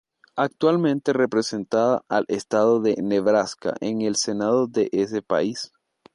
Actualmente representada al estado de Nebraska en el Senado de ese país.